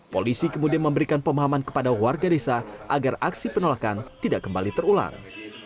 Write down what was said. polisi kemudian memberikan pemahaman kepada warga desa agar aksi penolakan tidak kembali terulang